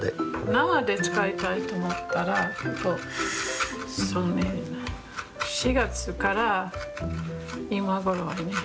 生で使いたいと思ったら４月から今頃まで。